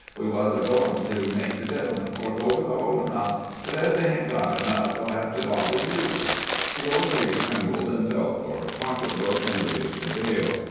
We wuz a goin' to make the gentlemen fork over the hull amount, but ez they hain't got enough, we'll hev to bother you." The old lady trembled, and felt for her pocketbook, and raised her vail.